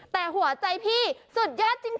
แต่หัวใจพี่สุดยอดจริง